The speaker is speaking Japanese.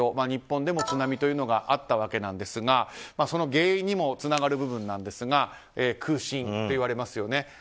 日本でも津波があったわけですがその原因にもつながる部分なんですが空振といわれますよね。